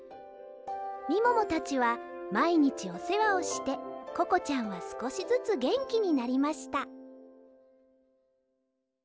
みももたちはまいにちおせわをしてココちゃんはすこしずつげんきになりました